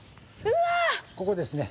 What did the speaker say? ここですね。